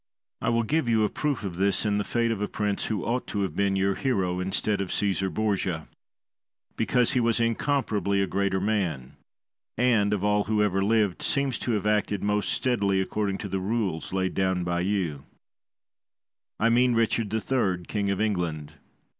I will give you a proof of this in the fate of a prince, who ought to have been your hero instead of Caesar Borgia, because he was incomparably a greater man, and, of all who ever lived, seems to have acted most steadily according to the rules laid down by you; I mean Richard III., King of England.